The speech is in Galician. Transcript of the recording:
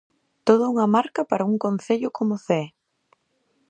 Toda unha marca para un concello como Cee.